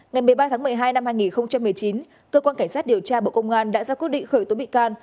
ngày một mươi ba tháng một mươi hai năm hai nghìn một mươi chín cơ quan cảnh sát điều tra bộ công an đã ra quyết định khởi tố bị can